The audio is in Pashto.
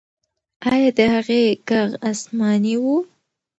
آیا د هغې ږغ آسماني و؟